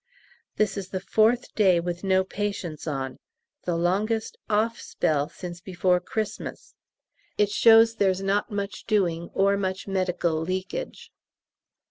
This is the fourth day with no patients on the longest "off" spell since before Christmas. It shows there's not much doing or much medical leakage.